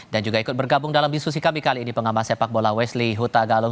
dan juga ikut bergabung dalam diskusi kami kali ini pengambang sepak bola wesley huta galung